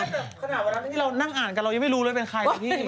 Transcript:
ขนาดวันนั้นนี่เรานั่งอ่านกันเรายังไม่รู้เลยเป็นใคร